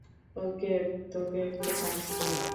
ওকে, তোকে একটা চান্স দিলাম।